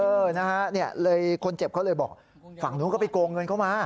เออนะฮะเนี่ยเลยคนเจ็บเขาเลยบอกฝั่งนู้นก็ไปโกงเงินเข้ามา